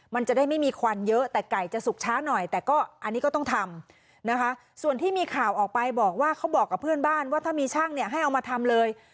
มันจะได้ไม่มีควันเยอะแต่ไก่จะสุกช้าหน่อยแต่ก็อันนี้ก็ต้องทำนะคะส่วนที่มีข่าวออกไปบอกว่าเขาบอกกับเพื่อนบ้านว่าถ้ามีช่างเนี่ยให้เอามาทำเลย